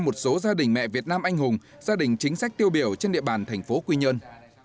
một số gia đình mẹ việt nam anh hùng gia đình chính sách tiêu biểu trên địa bàn thành phố quy nhơn